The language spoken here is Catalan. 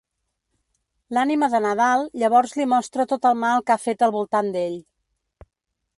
L'ànima de Nadal llavors li mostra tot el mal que ha fet al voltant d'ell.